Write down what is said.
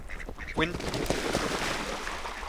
Winton.